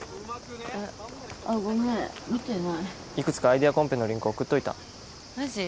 えあごめん見てないいくつかアイデアコンペのリンク送っといたマジ？